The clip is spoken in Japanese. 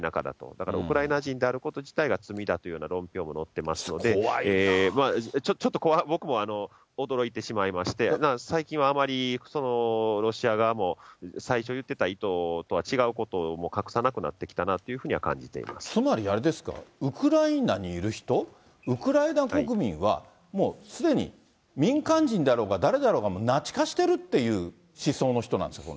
だからウクライナ人であること自体が罪だというような論評も載ってますので、ちょっと怖い、僕も驚いてしまいまして、最近はあまり、ロシア側も、最初言ってた意図とは違うことを隠さなくなってつまりあれですか、ウクライナにいる人、ウクライナ国民はもうすでに、民間人であろうが、誰であろうが、ナチ化してるっていう思想の人なんですか？